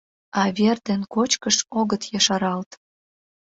А вер ден кочкыш огыт ешаралт.